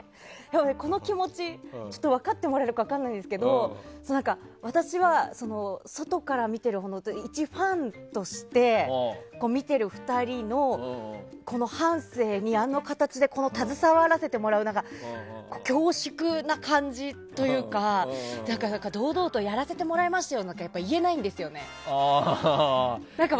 この気持ちちょっと分かってもらえるか分からないですけど私は外から見てる一ファンとして見ている２人のこの半生にあの形で携わらせてもらう恐縮な感じというか、堂々とやらせてもらいましたよなんて言えないんですよね。